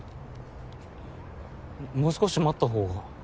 もう少し待った方が。